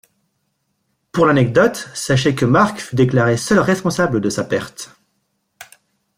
Pour l’anecdote, sachez que Marc fut déclaré seul responsable de sa perte.